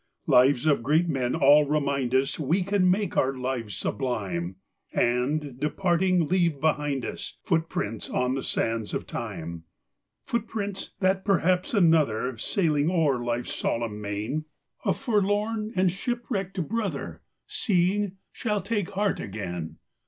Lives of great men all remind us We can make our lives sublime, And, departing, leave behind us Footsteps on the sands of time ; Footsteps, that perhaps another, Sailing o'er life's solemn main, A forlorn and shipwrecked brother, Seeing, shall take heart again.